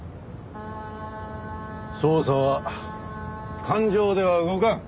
捜査は感情では動かん！